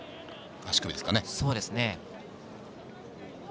足首ですかね？